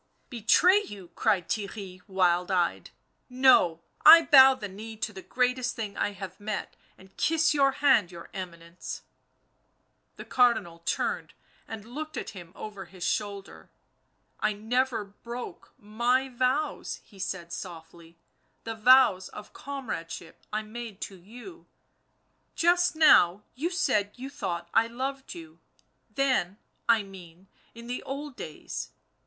" Betray you !" cried Theirry, wild eyed. " No, I bow the knee to the greatest thing I have met, and kiss your hand, your Eminence !" The Cardinal turned and looked at him over his shoulder. " I never broke my vows," he said softly, " the vows of comradeship I made to you ; just now you said you thought I loved you, then, I mean, in the old days.